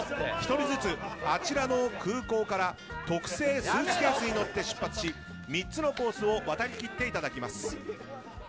１人ずつあちらの空港から特製スーツケースに乗って出発し、３つのコースを渡りきっていただきます。